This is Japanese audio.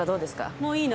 もういいの。